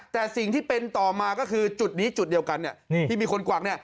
แต่สิ่งที่เป็นต่อมาก็คือจุดนี้จุดเดียวกันที่มีคนกวักเนี่ย